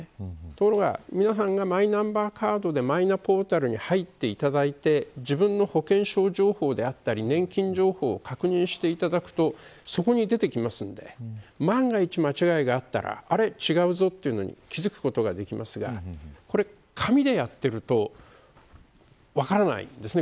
ところが、皆さんがマイナンバーカードでマイナポータルに入ってもらって自分の保険証情報であったり年金情報を確認していただくとそこに出てきますので万が一、間違いがあったら違うぞということに気付くことができますが紙でやっていると分からないんですね